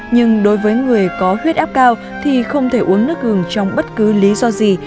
nhưng đối với người có huyết áp cao thì không thể uống nước hường trong bất cứ lý do gì